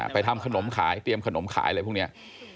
ไปทำขนมขายเตรียมขนมขายเลยพรุ่งเนี้ย